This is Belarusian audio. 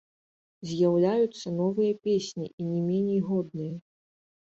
З'яўляюцца новыя песні, і не меней годныя.